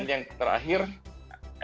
yang terakhir kita membawakan